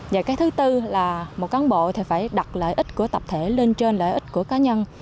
và cái thứ tư là một cán bộ thì phải đặt lợi ích của tập thể lên trên lợi ích của cá nhân